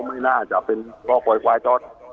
เราไม่น่าจะเป็นพ่อปล่อยควายจอด